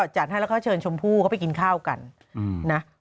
จัดให้แล้วก็เชิญชมพู่เขาไปกินข้าวกันนะ